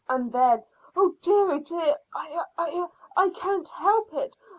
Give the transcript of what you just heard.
And then, "Oh dear! Oh dear! I I I I I can't help it.